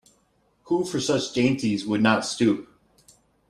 Who for such dainties would not stoop?